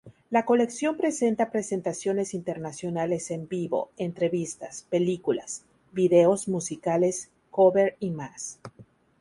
La colección presenta presentaciones internacionales en vivo, entrevistas, películas, videos musicales, cover y más.